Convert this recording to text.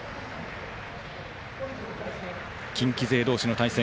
近畿勢同士の対戦。